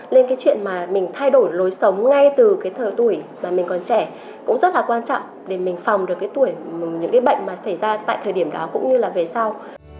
lên cái chuyện mà mình thay đổi lối sống ngay từ cái thờ tuổi mà mình còn trẻ cũng rất là quan trọng để mình phòng được cái những cái bệnh mà xảy ra tại thời điểm đó cũng như là về sau